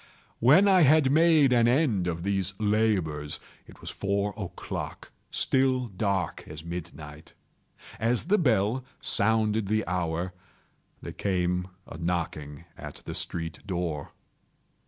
When I had made an end of these labors, it was four o'clock—still dark as midnight. As the bell sounded the hour, there came a knocking at the street door.